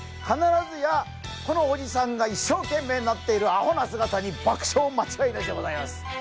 必ずやこのおじさんが一生懸命になっているアホな姿にばくしょう間違いなしでございます。